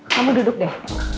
kamu duduk deh